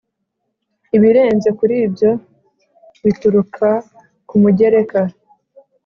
Ibirenze kuri ibyo bituruka ku mugereka